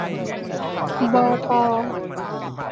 บอ ปอ